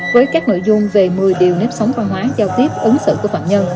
với các nội dung về một mươi điều nếp sống văn hóa giao tiếp ứng xử của phạm nhân